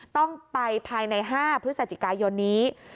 ต้องไปภายใน๕พฤศจิกายนนี้